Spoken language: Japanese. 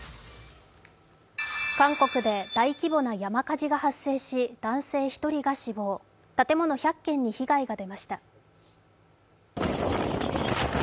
韓国で大規模な山火事が発生し男性１人が死亡、建物１００軒に被害が出ました。